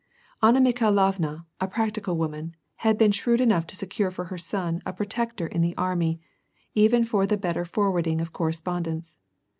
Anna Mikhailovna, a practical woman, had been shrewd enough to secure for her son a protector in the army, even for the better forwarding of correspondence.